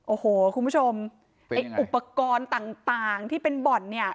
โอ้โหคุณผู้ชมไอ้อุปกรณ์ต่างที่เป็นบ่อนเนี่ย